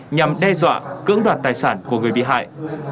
nhằm đe dọa cưỡng đoạt tài sản của người bị hại